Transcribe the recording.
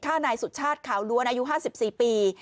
ฆ่านายสุชาติขาวล้วนอายุ๕๔ปี